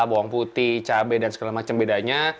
bawang putih cabai dan segala macam bedanya